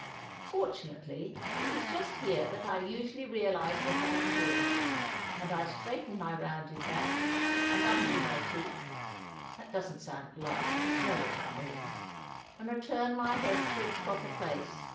Fortunately, it is just here that I usually realize what I am doing, and I straighten my rounded back, and undo my teeth (that doesn't sound polite, but you know what I mean), and return my head to its proper place.